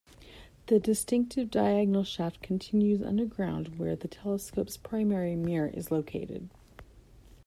The distinctive diagonal shaft continues underground, where the telescope's primary mirror is located.